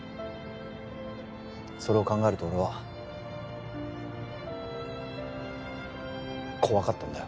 それを考えると俺は怖かったんだよ